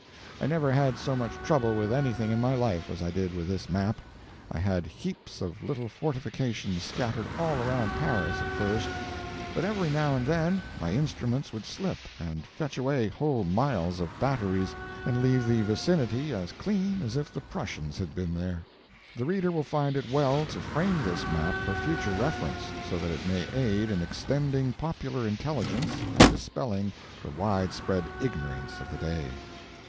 I never had so much trouble with anything in my life as I did with this map. I had heaps of little fortifications scattered all around Paris, at first, but every now and then my instruments would slip and fetch away whole miles of batteries and leave the vicinity as clean as if the Prussians had been there. The reader will find it well to frame this map for future reference, so that it may aid in extending popular intelligence and dispelling the wide spread ignorance of the day.